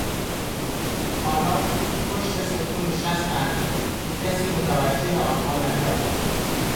آنان پشت ستون نشستند که کسی متوجه آنها نشود.